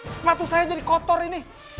sepatu saya jadi kotor ini